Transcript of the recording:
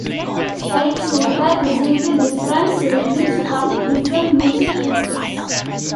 "Straight Shooter" received different reviews from different music critics.